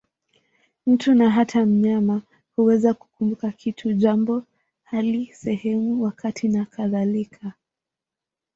Mtu, na hata mnyama, huweza kukumbuka kitu, jambo, hali, sehemu, wakati nakadhalika.